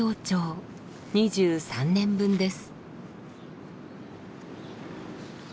２３年分です。